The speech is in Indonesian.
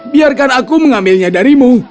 biarkan aku mengambilnya darimu